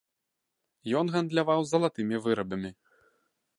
Ён гандляваў залатымі вырабамі.